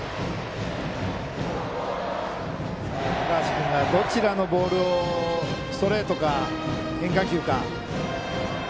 高橋君がどちらのボールをストレートか変化球か。